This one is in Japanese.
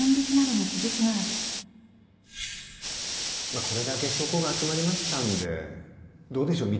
まあこれだけ証拠が集まりましたんでどうでしょう。